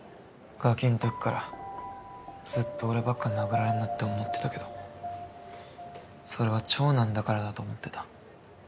ガキんときからずっと俺ばっか殴られんなって思ってたけどそれは長男だからだと思ってた。